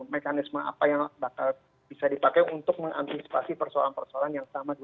mekanisme apa yang bakal bisa dipakai untuk mengantisipasi persoalan persoalan yang sama dua ribu dua puluh